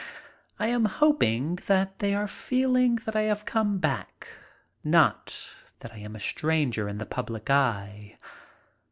I am hoping that they are feeling that I have come back, not that I am a stranger in the public eye.